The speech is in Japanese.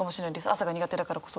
朝が苦手だからこそ。